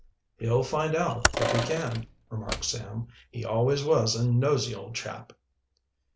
"He'll find out, if he can," remarked Sam. "He always was a nosy old chap."